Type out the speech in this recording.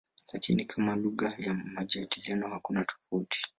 Lakini kama lugha ya majadiliano hakuna tofauti.